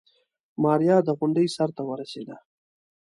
ماريا د غونډۍ سر ته ورسېده.